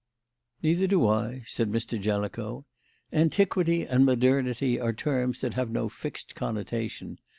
"Neither do I," said Mr. Jellicoe. "Antiquity and modernity are terms that have no fixed connotation.